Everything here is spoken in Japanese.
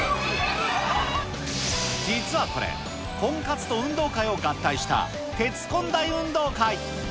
実はこれ、婚活と運動会を合体した鉄コン大運動会。